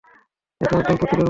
এটা একদম পুতুলের মতো!